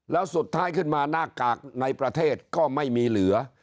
แล้วสุดท้ายขึ้นมาหน้ากากในประเทศก็ไม่มีเหลือ